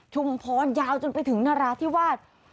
ชุมพรยาวจนไปถึงนราธิวาส